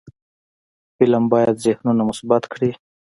فلم باید ذهنونه مثبت کړي